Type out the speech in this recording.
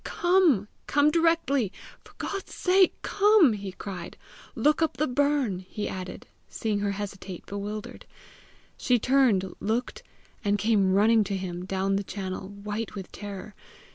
"Come; come directly; for God's sake, come!" he cried. "Look up the burn!" he added, seeing her hesitate bewildered. She turned, looked, and came running to him, down the channel, white with terror.